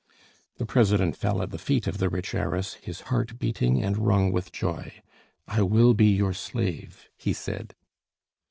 The president fell at the feet of the rich heiress, his heart beating and wrung with joy. "I will be your slave!" he said.